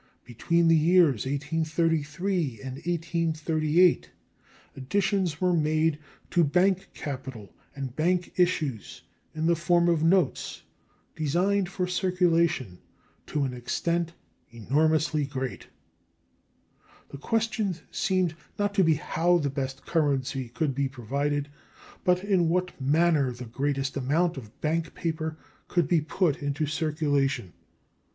Between the years 1833 and 1838 additions were made to bank capital and bank issues, in the form of notes designed for circulation, to an extent enormously great. The question seemed to be not how the best currency could be provided, but in what manner the greatest amount of bank paper could be put in circulation.